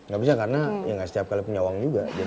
gak bisa karena ya nggak setiap kali punya uang juga